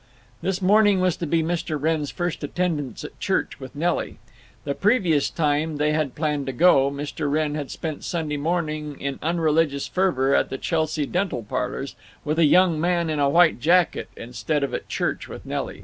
This morning was to be Mr. Wrenn's first attendance at church with Nelly. The previous time they had planned to go, Mr. Wrenn had spent Sunday morning in unreligious fervor at the Chelsea Dental Parlors with a young man in a white jacket instead of at church with Nelly.